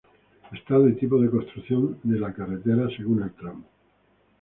Estado y tipo de construcción de la carretera según el tramo.